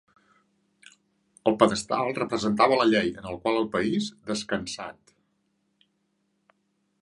El pedestal representava la llei en la qual el país descansat.